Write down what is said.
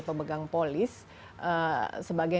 pemegang polis sebagai